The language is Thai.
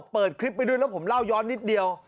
เปิดคลิปไปด้วยแล้วผมเล่าย้อนนิดเดียว